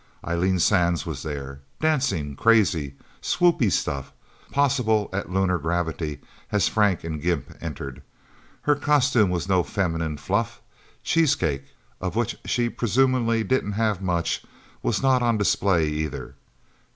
Eileen Sands was there, dancing crazy, swoopy stuff, possible at lunar gravity, as Frank and Gimp entered. Her costume was no feminine fluff; cheesecake, of which she presumably didn't have much, was not on display, either.